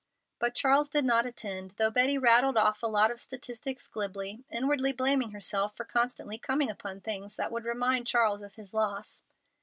But Charles did not attend, though Betty rattled off a lot of statistics glibly, inwardly blaming herself for constantly coming upon things that would remind Charles of his loss.